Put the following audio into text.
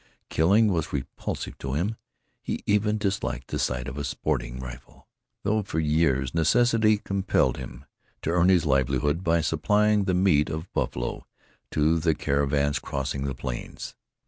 Killing was repulsive to him. He even disliked the sight of a sporting rifle, though for years necessity compelled him to earn his livelihood by supplying the meat of buffalo to the caravans crossing the plains.